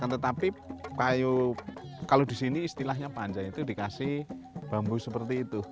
tetapi kayu kalau di sini istilahnya panjang itu dikasih bambu seperti itu